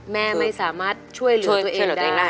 แม่ไม่สามารถช่วยเหลือตัวเองได้